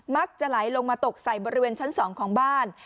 จะไหลลงมาตกใส่บริเวณชั้น๒ของบ้าน